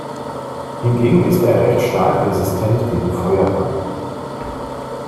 Hingegen ist er recht stark resistent gegen Feuerbrand.